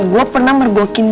gue pernah mergokinnya